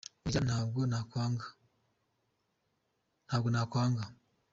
oya ntabwo nakwanga.